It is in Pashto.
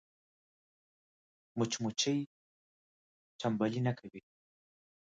مچمچۍ تنبلي نه کوي